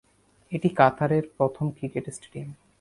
এটি কাতারের প্রথম ক্রিকেট স্টেডিয়াম।